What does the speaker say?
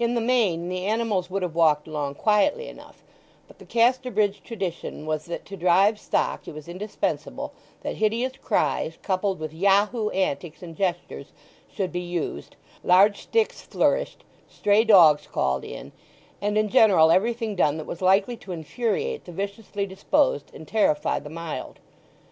In the main the animals would have walked along quietly enough; but the Casterbridge tradition was that to drive stock it was indispensable that hideous cries, coupled with Yahoo antics and gestures, should be used, large sticks flourished, stray dogs called in, and in general everything done that was likely to infuriate the viciously disposed and terrify the mild.